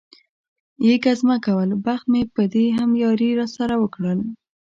یې ګزمه کول، بخت مې په دې هم یاري را سره وکړل.